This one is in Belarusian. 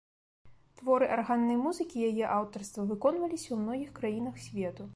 Творы арганнай музыкі яе аўтарства выконваліся ў многіх краінах свету.